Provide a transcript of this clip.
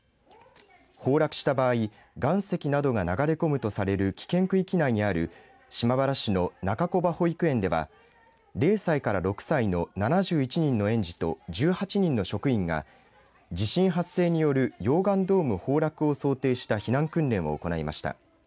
崩落した場合岩石などが流れ込むとされる危険区域内にある島原市の中木場保育園では０歳から６歳の７１人の園児と１８人の職員が、地震発生による溶岩ドーム崩落を想定した避難訓練を行いました。